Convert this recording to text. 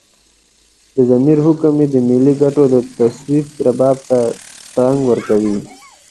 د ضمیر حکم مې د ملي ګټو د توصيف رباب ته ترنګ ورکوي.